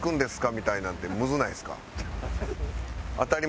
みたいなのってむずないですか？